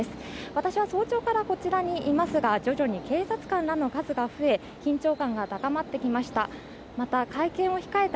私は早朝からこちらにいますが、徐々に警察官らの数が増え緊張感が高まってきました。